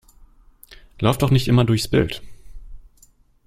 Lauf doch nicht immer durchs Bild!